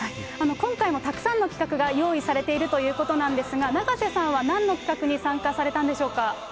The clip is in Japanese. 今回もたくさんの企画が用意されているということなんですが、永瀬さんはなんの企画に参加されたんでしょうか。